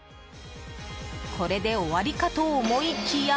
これで終わりかと思いきや。